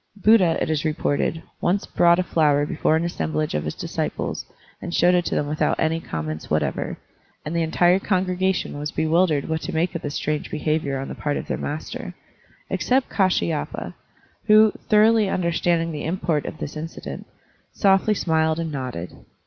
Buddha, it is reported, once brought a flower before an assemblage of his disciples and showed it to them without any comments what ever, and the entire congregation was bewildered what to make of this strange behavior on the part of their master, except Kdshyapa, who, thoroughly tmderstanding the import of this incident, softly smiled and nodded.